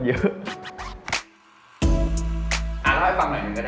อะเล่าให้ฟังหน่อยนึงกัน